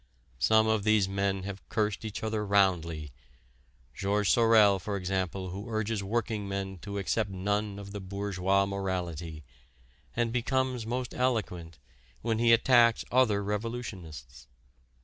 Some of these men have cursed each other roundly: Georges Sorel, for example, who urges workingmen to accept none of the bourgeois morality, and becomes most eloquent when he attacks other revolutionists.